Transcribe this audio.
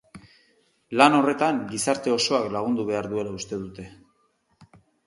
Lan horretan gizarte osoak lagundu behar duela uste dute.